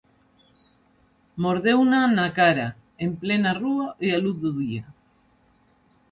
Mordeuna na cara, en plena rúa e á luz do día.